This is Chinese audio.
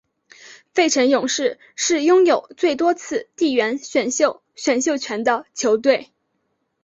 费城勇士是拥有最多次地缘选秀选秀权的球队。